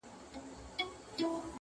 • پلټنه د کور دننه پيل کيږي..